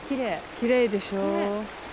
きれいでしょ。